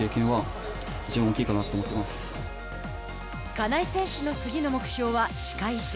金井選手の次の目標は歯科医師。